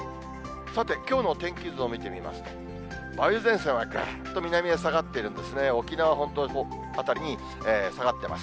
さて、きょうの天気図を見てみますと、梅雨前線はぐっと南へ下がってるんですね、沖縄本島辺りに下がってます。